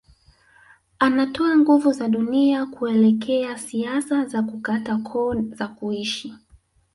Anatoa nguvu za dunia kuelekea siasa za kukata koo za kuishi